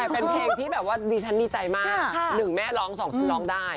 เป็นเพลงที่แบบว่าดิฉันดีใจมากหนึ่งแม่ร้องสองคุณร้องได้